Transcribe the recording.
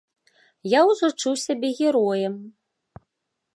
Я ўжо чуў сябе героем!